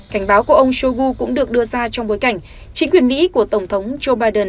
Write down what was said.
cảnh báo của ông shoigu cũng được đưa ra trong bối cảnh chính quyền mỹ của tổng thống joe biden